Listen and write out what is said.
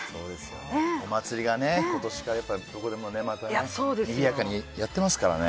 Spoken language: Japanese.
お祭りが今年からどこでもにぎやかにやってますからね。